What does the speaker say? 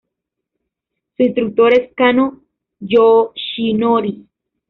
Su instructor es Kano Yoshinori.